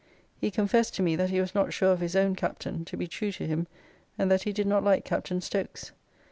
He confessed to me that he was not sure of his own Captain [Cuttance] to be true to him, and that he did not like Captain Stokes.